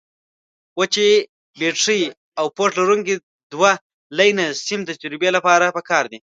وچې بټرۍ او پوښ لرونکي دوه لینه سیم د تجربې لپاره پکار دي.